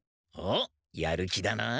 おっやる気だな。